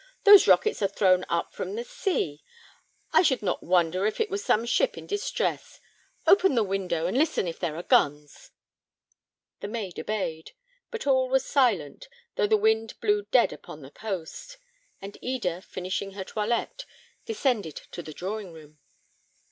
"Those rockets are thrown up from the sea. I should not wonder if it was some ship in distress. Open the window, and listen if there are guns." The maid obeyed, but all was silent, though the wind blew dead upon the coast; and Eda, finishing her toilette, descended to the drawing room.